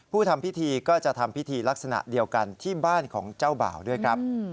ทำพิธีก็จะทำพิธีลักษณะเดียวกันที่บ้านของเจ้าบ่าวด้วยครับ